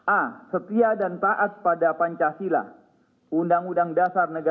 a setia dan taat pada pancasila